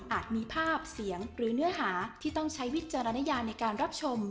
มีภาพเสียงหรือเนื้อหาที่ต้องใช้วิจารณญาในการรับชม